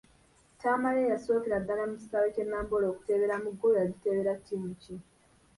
Tamale eyasookera ddala mu kisaawe kye Namboole okuteeberamu ggoolo yagiteebera ttiimu ki?